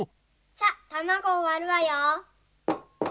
さったまごをわるわよ。